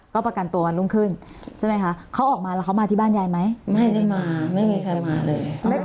ก็ประกันตัววันรุ่งขึ้นใช่ไหมคะเขาออกมาแล้วเขามาที่บ้านยายไหมไม่ได้มาไม่มีใครมาเลย